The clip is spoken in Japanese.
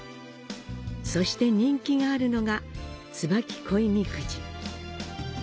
そして人気があるのが「椿恋みくじ」。